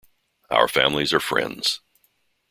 Our families are friends.